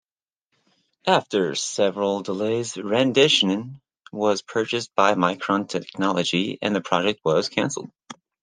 After several delays, Rendition was purchased by Micron Technology and the project was cancelled.